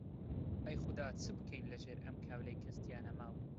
ئەی خودا چ بکەین لەژێر ئەم کاولەی کەس تیا نەماو؟!